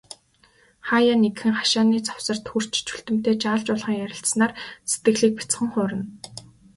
Хааяа нэгхэн, хашааны завсарт хүрч, Чүлтэмтэй жаал жуулхан ярилцсанаар сэтгэлийг бяцхан хуурна.